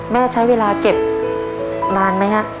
แม่ใช้เวลาเก็บนานไหมฮะ